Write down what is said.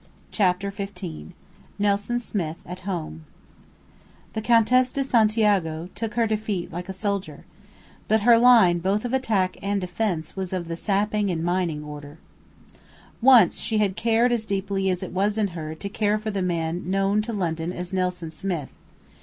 CHAPTER XV NELSON SMITH AT HOME The Countess de Santiago took her defeat like a soldier. But her line both of attack and defence was of the sapping and mining order. Once she had cared as deeply as it was in her to care for the man known to London as "Nelson Smith."